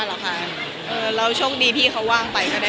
แล้วโชคดีพี่เขาว่างไปก็ได้ไป